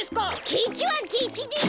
ケチはケチでしょ！